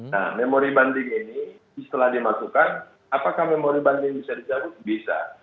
nah memori banding ini setelah dimasukkan apakah memori banding bisa dicabut bisa